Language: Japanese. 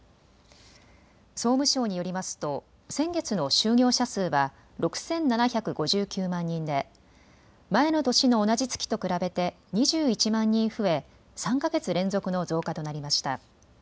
総務省によりますと先月の就業者数は６７５９万人で前の年の同じ月と比べて２１万人増え３か月連続の増加となりました。